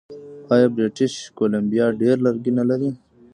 آیا بریټیش کولمبیا ډیر لرګي نلري؟